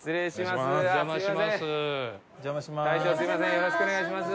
よろしくお願いします。